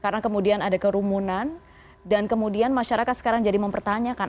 karena kemudian ada kerumunan dan kemudian masyarakat sekarang jadi mempertanyakan